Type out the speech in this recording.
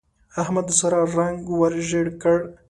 احمد د سارا رنګ ور ژړ کړ.